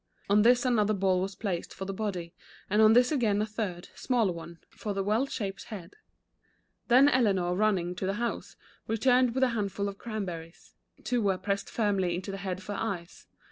On this another ball was placed for the body, and on this again a third, smaller one, for the well shaped 2 34 The Lady of Snow. head. Then Eleanor running to the house, re turned with a handful of cranberries. Two were pressed firmly into the head for eyes.